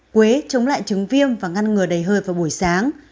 quế chống lại chứng viêm và ngăn ngừa đầy hơi vào buổi sáng